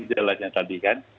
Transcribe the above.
jalan yang tadi kan